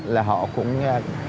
là họ cũng